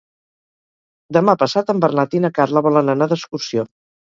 Demà passat en Bernat i na Carla volen anar d'excursió.